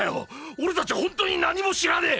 俺たちゃほんとに何も知らねえ！！